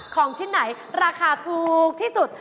ของชิ้นไหนราคาถูกที่สุด